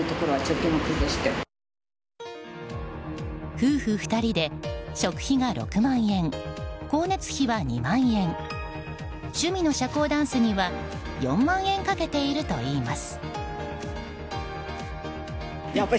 夫婦２人で食費が６万円、光熱費は２万円趣味の社交ダンスには４万円かけているといいます。